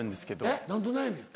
えっ何の悩み？